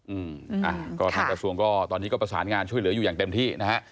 อืมอ่ะก็ทางกระทรวงก็ตอนนี้ก็ประสานงานช่วยเหลืออยู่อย่างเต็มที่นะฮะ